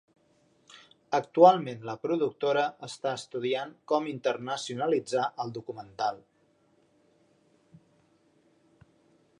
Actualment la productora està estudiant com internacionalitzar el documental.